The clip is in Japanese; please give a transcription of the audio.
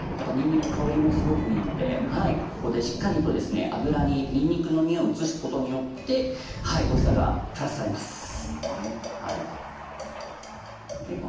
にんにくは香りもすごくいいのでしっかりと油に、にんにくのにおいを移すことによっておいしさがプラスされます。